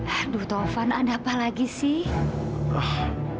aduh taufan ada apa lagi sih